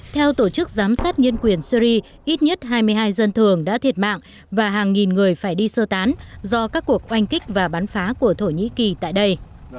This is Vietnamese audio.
theo tổ chức giám sát nhân quyền syri ít nhất hai mươi hai dân thường đã thiệt mạng và hàng nghìn người phải đi sơ tán do các cuộc oanh kích và bắn phá của thổ nhĩ kỳ tại đây